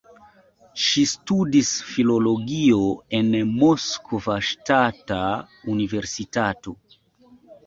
Ŝi studis filologion en Moskva Ŝtata Universitato.